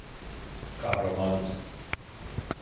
Kahramanımsın.